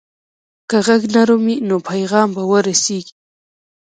که غږ نرم وي، نو پیغام به ورسیږي.